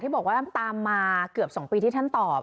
บอกว่าตามมาเกือบ๒ปีที่ท่านตอบ